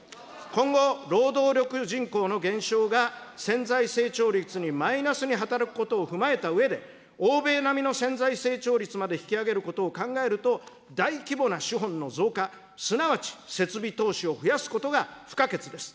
今後、労働力人口の減少が潜在成長率がマイナスに働くことを踏まえたうえで、欧米並みの潜在成長率まで引き上げることを考えると、大規模な資本の増加、すなわち設備投資を増やすことが不可欠です。